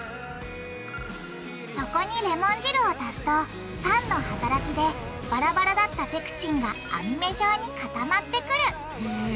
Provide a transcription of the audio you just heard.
そこにレモン汁を足すと酸の働きでバラバラだったペクチンが網目状に固まってくるへぇ。